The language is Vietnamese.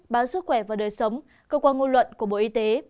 bán sức khỏe và đời sống cơ quan ngôn luận của bộ y tế